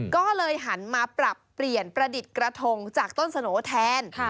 ก็เลยหันมาปรับเปลี่ยนประดิษฐ์กระทงจากต้นสโนแทน